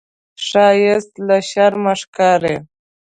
ښایست له شرمه ښکاري